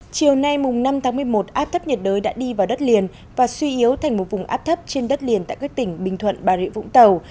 chiều nay năm tháng một mươi một áp thấp nhiệt đới đã đi vào đất liền và suy yếu thành một vùng áp thấp trên đất liền tại các tỉnh bình thuận bà rịa vũng tàu